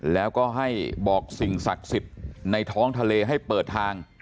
แล้วก็ให้บอกสิ่งศักดิ์สิทธิ์ในท้องทะเลให้เปิดทาง